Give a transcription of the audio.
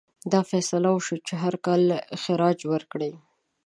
دا فیصله وشوه چې هر کال خراج ورکړي.